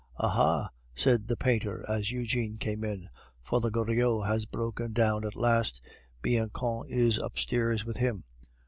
"Aha!" said the painter as Eugene came in, "Father Goriot has broken down at last. Bianchon is upstairs with him.